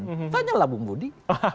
tanyalah bung bodi